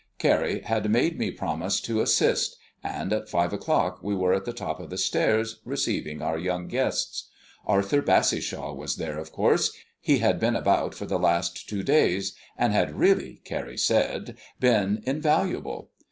Carrie had made me promise to assist, and at five o'clock we were at the top of the stairs receiving our young guests. Arthur Bassishaw was there, of course he had been about for the last two days, and had really, Carrie said, been invaluable.